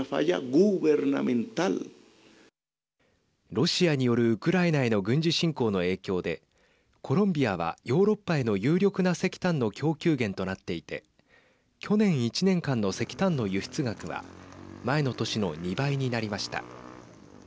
ロシアによるウクライナへの軍事侵攻の影響でコロンビアは、ヨーロッパへの有力な石炭の供給源となっていて去年１年間の石炭の輸出額は前の年の２倍になりました。